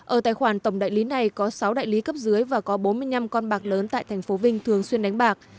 ở tài khoản tổng đại lý này có sáu đại lý cấp dưới và có bốn mươi năm con bạc lớn tại tp vinh thường xuyên đánh bạc